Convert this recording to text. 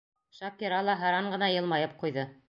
Шакира ла һаран ғына йылмайып ҡуйҙы.